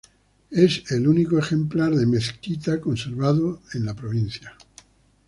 Es el único ejemplar de mezquita conservado en la provincia.